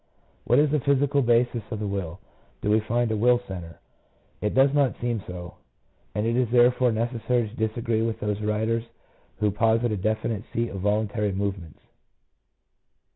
What is the physical basis of the will ? Do we find a will centre? It does not seem so, and it is therefore necessary to disagree with those writers who posit a definite seat of voluntary movements.